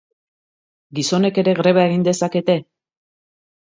Gizonek ere greba egin dezakete?